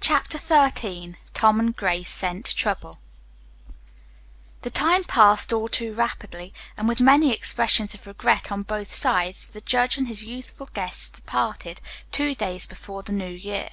CHAPTER XIII TOM AND GRACE SCENT TROUBLE The time passed all too rapidly, and with many expressions of regret on both sides the judge and his youthful guests parted, two days before the New Year.